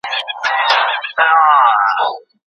ټول ماشومان د زده کړې مساوي حق لري.